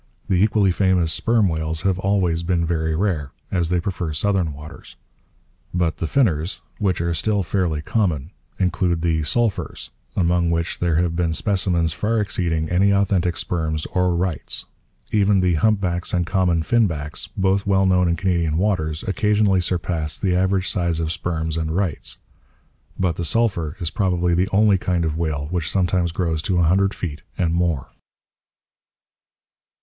The equally famous sperm whales have always been very rare, as they prefer southern waters. But the 'finners,' which are still fairly common, include the 'sulphurs,' among which there have been specimens far exceeding any authentic sperms or 'rights.' Even the humpbacks and common finbacks, both well known in Canadian waters, occasionally surpass the average size of sperms and 'rights.' But the sulphur is probably the only kind of whale which sometimes grows to a hundred feet and more.